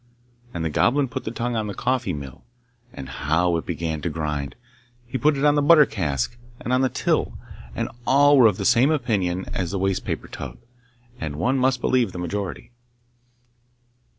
And the Goblin put the tongue on the coffee mill, and how it began to grind! He put it on the butter cask, and on the till, and all were of the same opinion as the waste paper tub. and one must believe the majority.